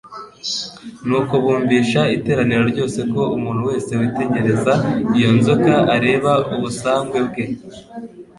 Nuko bumvisha iteraniro ryose ko umuntu wese witegereza iyo nzoka, areba ubusagwe bwe.